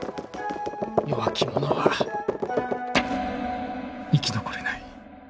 弱き者は生き残れない。